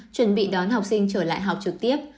chuẩn bị đón học sinh trở lại học trực tiếp